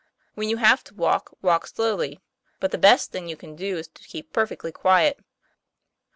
When you have to walk, walk slowly. But the best thing you can do is to keep perfectly quiet."